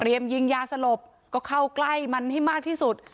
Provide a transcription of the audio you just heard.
เตรียมยิงยาสลบก็เข้ากล่ายมันให้มากที่สุด